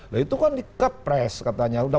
nah itu kan dikepres katanya